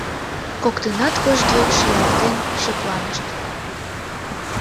Коктынат кожге шӱлалтен шыпланышт.